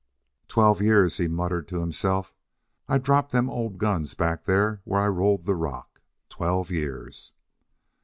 "Twelve years!" he muttered to himself. "I dropped them old guns back there where I rolled the rock.... Twelve years!"